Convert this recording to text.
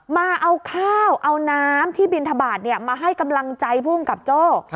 มาเอาข้าวเอาน้ำที่บินทบาทมาให้กำลังใจภูมิกับโจ้